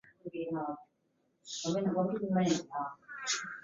角萼唇柱苣苔为苦苣苔科唇柱苣苔属下的一个种。